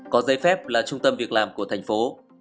có giấy phép là trung tâm việc làm của thành phố